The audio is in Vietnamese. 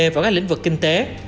vào các lĩnh vực kinh tế